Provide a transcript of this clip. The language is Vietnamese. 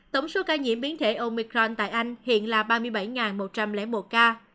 tổng số ca nhiễm biến thể omicron tại anh hiện là ba mươi bảy một trăm linh một ca